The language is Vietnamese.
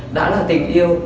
đã là tình yêu